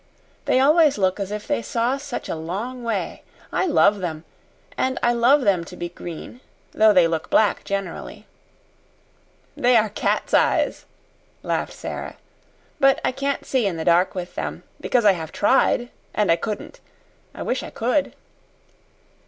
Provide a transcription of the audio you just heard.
"They always look as if they saw such a long way. I love them and I love them to be green though they look black generally." "They are cat's eyes," laughed Sara; "but I can't see in the dark with them because I have tried, and I couldn't I wish I could."